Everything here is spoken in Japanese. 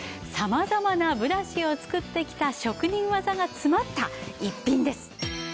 様々なブラシを作ってきた職人技が詰まった逸品です。